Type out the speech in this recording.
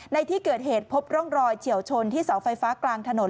ในที่เกิดเหตุพบร่องรอยเฉียวชนที่เสาไฟฟ้ากลางถนน